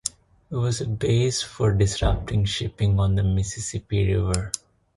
It was a base for disrupting shipping on the Mississippi River.